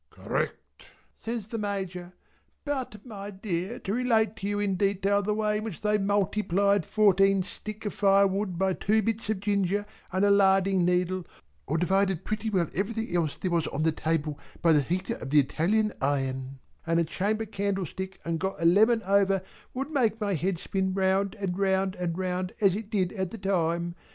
"Correct" says the Major. But my dear to relate to you in detail the way in which they multiplied fourteen sticks of firewood by two bits of ginger and a larding needle, or divided pretty well everything else there was on the table by the heater of the Italian iron and a chamber candlestick, and got a lemon over, would make my head spin round and round and round as it did at the time.